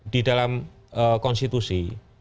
di dalam konstitusi